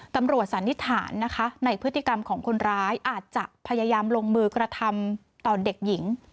สันนิษฐานนะคะในพฤติกรรมของคนร้ายอาจจะพยายามลงมือกระทำต่อเด็กหญิง